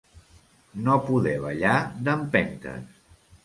No poder ballar d'empentes.